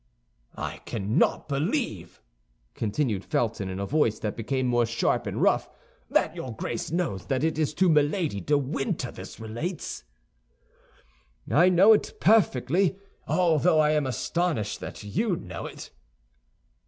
"I cannot believe," continued Felton, in a voice that became more sharp and rough, "that your Grace knows that it is to Milady de Winter this relates." "I know it perfectly, although I am astonished that you know it."